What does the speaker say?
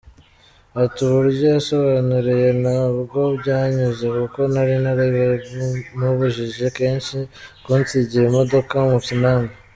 Ati “Uburyo yansobanuriye ntabwo byanyuze kuko nari narabimubujije kenshi kunsigira imodoka mu kinamba.